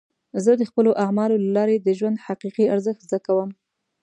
زه د خپلو اعمالو له لارې د ژوند حقیقي ارزښت زده کوم.